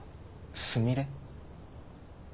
スミレ？